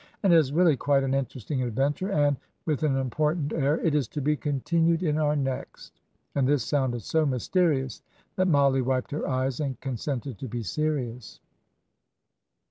And it is really quite an interesting adventure, and" with an important air "it is to be continued in our next." And this sounded so mysterious that Mollie wiped her eyes and consented to be serious.